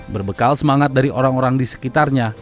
berbekal semangat dari orang orang di sekitarnya